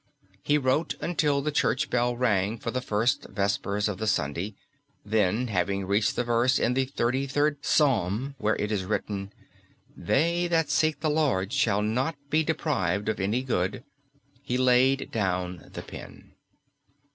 He wrote until the church bell rang for the first vespers of the Sunday; then, having reached the verse in the thirty third Psalm where it is written "They that seek the Lord shall not be deprived of any good," he laid down the pen.